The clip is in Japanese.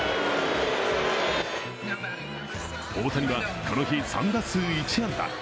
大谷はこの日３打数１安打。